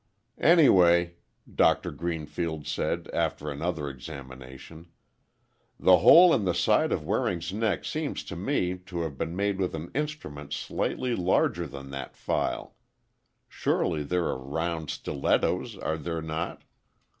"Anyway," Doctor Greenfield said, after another examination, "the hole in the side of Waring's neck seems to me to have been made with an instrument slightly larger than that file. Surely, there are round stilettos, are there not?"